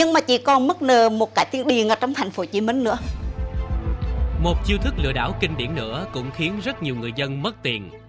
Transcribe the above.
một chiêu thức lừa đảo kinh điển nữa cũng khiến rất nhiều người dân mất tiền